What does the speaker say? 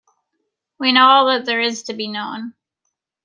We know all that there is to be known.